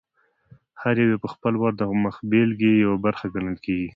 هر یو یې په خپل وار د مخبېلګې یوه برخه ګڼل کېږي.